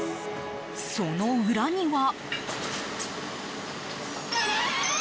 その裏には。